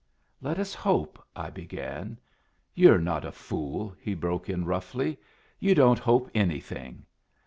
"Let us hope " I began. "You're not a fool," he broke in, roughly. "You don't hope anything."